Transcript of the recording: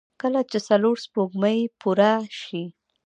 کله چې څلور سپوږمۍ پوره شي.